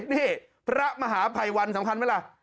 นี่พระมหาภัยวันสำคัญไหมล่ะ